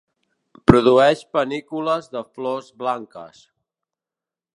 Produeix panícules de flors blanques.